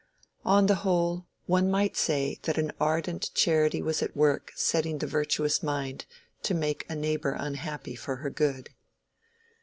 On the whole, one might say that an ardent charity was at work setting the virtuous mind to make a neighbor unhappy for her good.